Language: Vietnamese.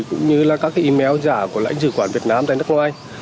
cũng như các email giả của lãnh sử quản việt nam tại nước ngoài